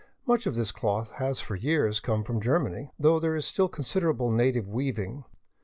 Much of this cloth has for years come from Ger many, though there is still considerable native weaving.